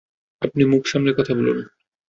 আপনি মুখ সামলে কথা বলুন!